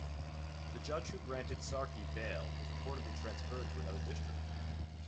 The judge who granted Sarki bail was reportedly transferred to another district.